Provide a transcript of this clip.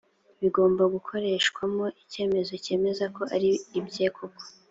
bigomba gukoreshwamo icyemezo cyemeza ko ari ibye koko